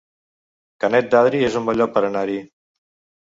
Canet d'Adri es un bon lloc per anar-hi